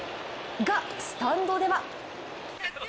が、スタンドでは！